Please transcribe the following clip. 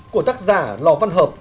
của tác giả lò văn hợp